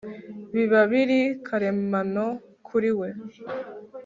biba biri karemano kuriwe